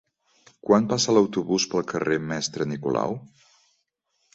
Quan passa l'autobús pel carrer Mestre Nicolau?